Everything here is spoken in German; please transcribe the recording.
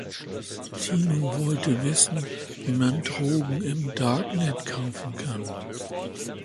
Tino wollte wissen wie man Drogen im Darknet kaufen kann.